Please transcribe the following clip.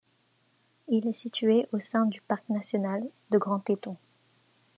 Il est situé au sein du parc national de Grand Teton.